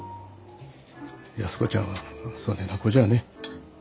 安子ちゃんはそねえな子じゃねえ。